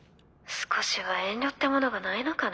少しは遠慮ってものがないのかね